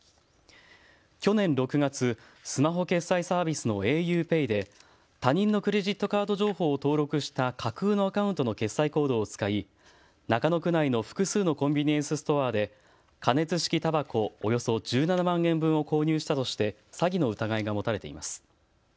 去年６月、スマホ決済サービスのａｕＰＡＹで他人のクレジットカード情報を登録した架空のアカウントの決済コードを使い、中野区内の複数のコンビニエンスストアで加熱式たばこおよそ１７万円分を購入したとして詐欺の疑いが持たれています。